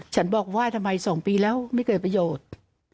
ฉันบอกว่าทำไม๒ปีแล้วไม่เกิดประโยชน์